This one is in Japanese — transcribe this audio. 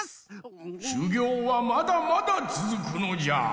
しゅぎょうはまだまだつづくのじゃ！